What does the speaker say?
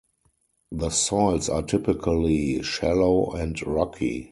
The soils are typically shallow and rocky.